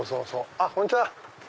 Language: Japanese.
あっこんにちは！